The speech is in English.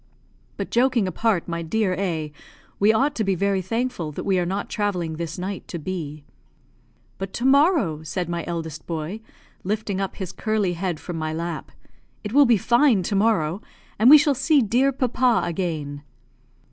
"But, joking apart, my dear A , we ought to be very thankful that we are not travelling this night to B ." "But to morrow," said my eldest boy, lifting up his curly head from my lap. "It will be fine to morrow, and we shall see dear papa again."